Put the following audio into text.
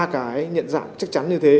ba cái nhận dạng chắc chắn như thế